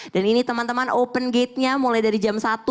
dan ini teman teman open gate nya mulai dari jam satu